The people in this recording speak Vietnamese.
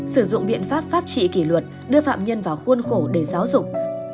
sử dụng biện pháp pháp trị kỷ luật đưa phạm nhân vào khuôn khổ để giáo dục